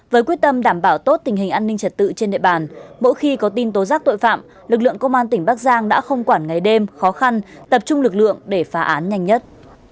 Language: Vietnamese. với quyết tâm đảm bảo tốt tình hình an ninh trật tự trên địa bàn mỗi khi có tin tố giác tội phạm lực lượng công an tỉnh bắc giang đã không quản ngày đêm khó khăn tập trung lực lượng để phá án nhanh nhất